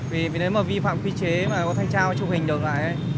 vì nếu mà vi phạm quy chế mà có thanh tra chụp hình được lại